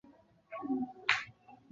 黄半仙是一段单口相声。